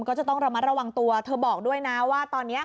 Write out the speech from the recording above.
ก็จะต้องระมัดระวังตัวเธอบอกด้วยนะว่าตอนนี้